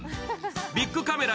ビックカメラ